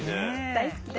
大好き。